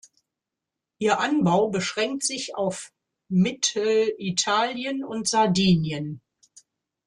Ihr Anbau beschränkt sich auf Mittelitalien und Sardinien.